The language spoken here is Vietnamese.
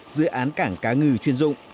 dự án cảng cá ngừ chuyên dụng